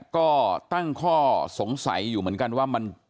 ก็ตั้งข้อสงสัยอยู่เหมือนกันว่ามัน